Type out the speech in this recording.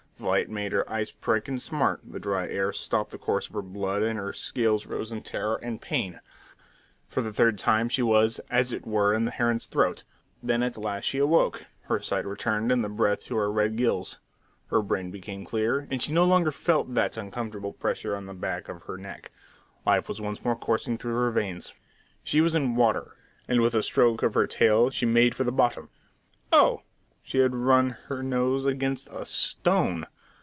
The light made her eyes prick and smart, the dry air stopped the course of her blood and her scales rose in terror and pain. For the third time she was as it were in the heron's throat! Then at last she awoke, her sight returned and the breath to her red gills; her brain became clear, and she no longer felt that uncomfortable pressure on the back of her neck. Life was once more coursing through her veins. She was in water, and with a stroke of her tail she made for the bottom. Oh! She had run her nose against a "stone!"